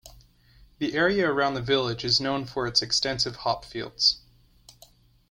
The area around the village is known for its extensive hop fields.